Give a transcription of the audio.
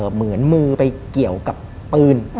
เหมือนมือไปเกี่ยวกับปืน